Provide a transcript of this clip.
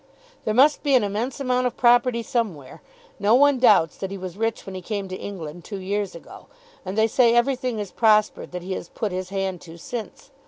"There must be an immense amount of property somewhere. No one doubts that he was rich when he came to England two years ago, and they say everything has prospered that he has put his hand to since.